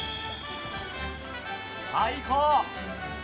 最高！